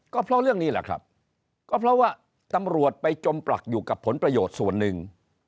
ก็เพราะเรื่องนี้แหละครับก็เพราะว่าตำรวจไปจมปลักอยู่กับผลประโยชน์ส่วนหนึ่ง